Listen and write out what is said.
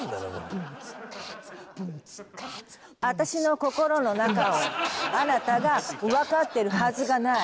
「私の心の中をあなたがわかってるはずがない」